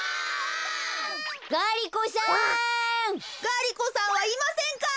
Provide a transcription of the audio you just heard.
ガリ子さんはいませんか？